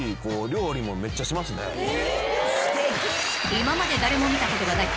［今まで誰も見たことがない